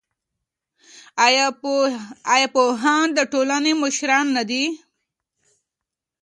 ایا پوهان د ټولنې مشران نه دي؟